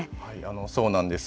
そうなんです。